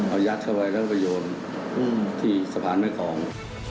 เอายัดเข้าไปแล้วก็ไปโยนที่สะพานแม่กอง